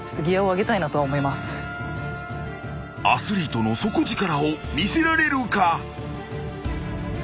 ［アスリートの底力を見せられるか？］